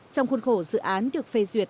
trong khuôn khổ dự án được phê dựng